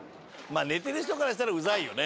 寝てる人からしたらウザいよね。